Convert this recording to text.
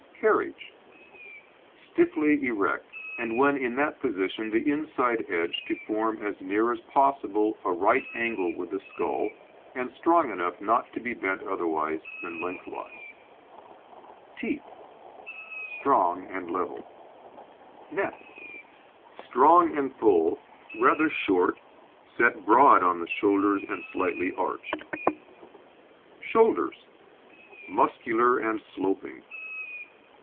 Carriage: Stiffly erect, and when in that position the inside edge to form as near as possible a right angle with the skull and strong enough not to be bent otherwise than lengthways. TEETH Strong and level. NECK Strong and full, rather short, set broad on the shoulders and slightly arched. SHOULDERS Muscular and sloping.